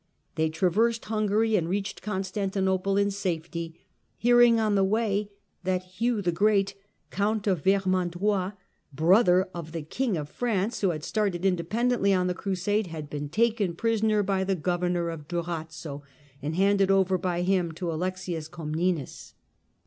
They traversed Hungary and reached Constantinople in safety, hearing on the way that Hugh the Great, Count of Ver mandois, brother of the King of France, who had started independently on the Crusade, had been taken prisoner by the governor of Durazzo, and handed over by him to Alexius Comnenus.